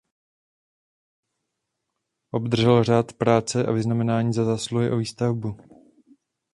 Obdržel Řád práce a vyznamenání Za zásluhy o výstavbu.